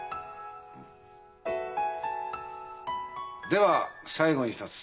では最後に一つ。